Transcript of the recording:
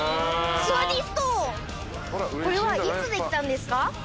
これはいつできたんですか？